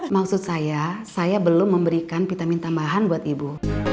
maksud saya saya belum memberikan vitamin tambahan buat ibu